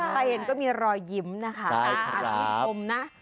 ใครเห็นก็มีรอยยิ้มนะคะชื่นชมนะ